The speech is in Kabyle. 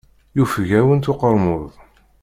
Yufeg-awent uqermud.